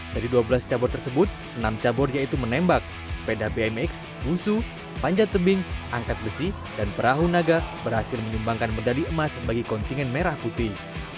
dari dua belas cabur tersebut enam cabur yaitu menembak sepeda bmx wusu panjat tebing angkat besi dan perahu naga berhasil menyumbangkan medali emas bagi kontingen merah putih